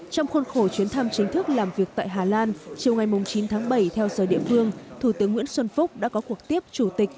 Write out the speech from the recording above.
trong khuôn khổ chuyến thăm chính thức làm việc tại hà lan chiều ngày chín tháng bảy theo giờ địa phương thủ tướng nguyễn xuân phúc đã có cuộc tiếp chủ tịch